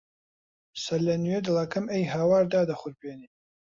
سەرلەنوێ دڵەکەم ئەی هاوار دادەخورپێنێ